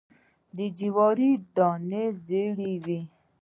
د جوارو دانی ژیړې وي